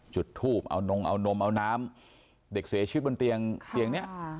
จุดทูบเอานมเอานมเอาน้ำเด็กเสียชีวิตบนเตียงนี้